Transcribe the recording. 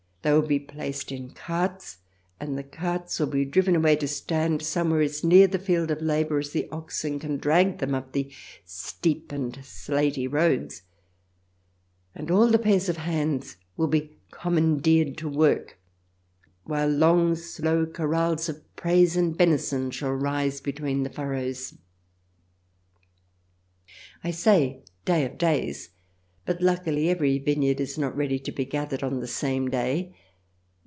xxi will be placed in carts, and the carts will be driven away to stand somewhere as near the field of labour as the oxen can drag them up the steep an^ slaty roads, and all the pairs of hands will be com mandeered to work, while long, slow chorales of praise and benison shall rise between the furrows. I say " day of days," but luckily every vineyard is not ready to be gathered on the same day.